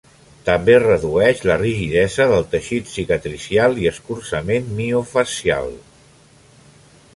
També redueix la rigidesa del teixit cicatricial i escurçament miofascial.